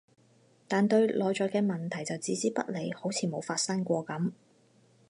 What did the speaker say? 但對內在嘅問題就置之不理，好似冇嘢發生過噉